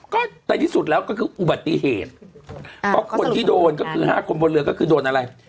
ก็ในที่สุดแล้วก็คืออุบัติเหตุเพราะคนที่โดนก็คือ๕คนบนเรือก็คือโดนอะไร